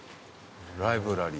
ライブラリー。